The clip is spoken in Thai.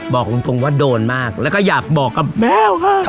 บอกตรงว่าโดนมากแล้วก็อยากบอกกับแมวค่ะ